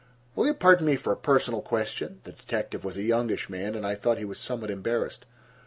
"Will you pardon me for a personal question?" The detective was a youngish man, and I thought he was somewhat embarrassed.